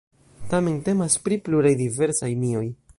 Tamen temas pri pluraj diversaj mioj.